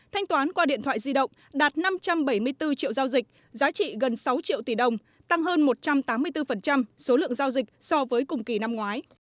thanh toán qua điện thoại di động đạt năm trăm bảy mươi bốn triệu giao dịch giá trị gần sáu triệu tỷ đồng tăng hơn một trăm tám mươi bốn số lượng giao dịch so với cùng kỳ năm ngoái